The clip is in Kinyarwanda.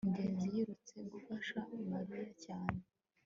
ngenzi yirutse gufasha mariya cyane